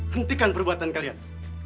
hentikan perbuatan kalian